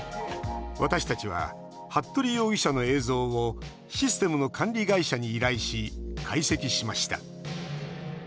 私たちは服部容疑者の映像をシステムの管理会社に依頼し解析しました。